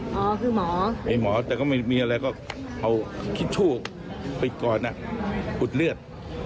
อ๋อคือหมอหมอแต่ก็ไม่มีอะไรก็เอาคิดชู่ไปก่อนอ่ะอุดเลือด